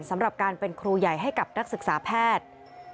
สำหรับการเป็นครูใหญ่ให้กับนักศึกษาแพทย์